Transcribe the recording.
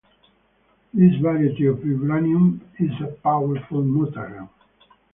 This variety of vibranium is a powerful mutagen.